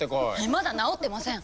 まだ治ってません。